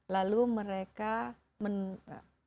lalu mereka mencari keuntungan